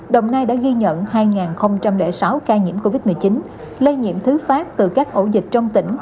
đồng nai đã ghi nhận hai sáu ca nhiễm covid một mươi chín lây nhiễm thứ phát từ các ổ dịch trong tỉnh